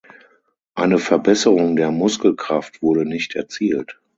Eine Verbesserung der Muskelkraft wurde nicht erzielt.